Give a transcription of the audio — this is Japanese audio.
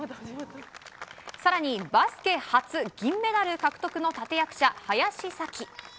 更に、バスケ初銀メダル獲得の立役者・林咲希。